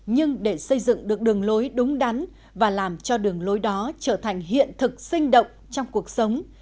nhưng để xây dựng được đường lối đúng đắn và làm cho đường lối đó trở thành hiện thực sinh động trong cuộc sống